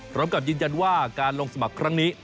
พร้อมกับยืนยันว่าการลงสมัครครั้งนี้